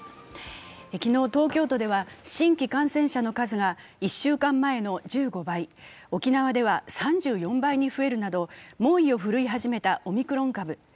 昨日東京都では新規感染者の数が１週間前の１５倍、沖縄では３４倍に増えるなど、猛威を振るい始めたオミクロン株。